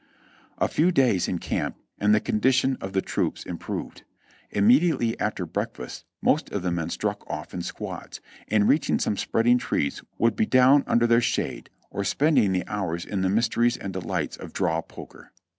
A few days in camp and the condition of the troops improved. Immediately after breakfast most of the men struck off in squads, and reaching some spreading trees would be down under their shade, or spending the hours in the mysteries and delights of draw poker.